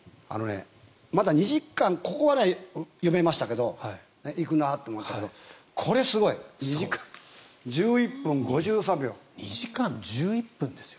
まだ２時間ここは読めましたが行くなと思ったけどこれはすごい２時間１１分ですよ。